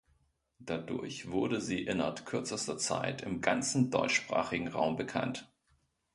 Dadurch wurde sie innert kürzester Zeit im ganzen deutschsprachigen Raum bekannt.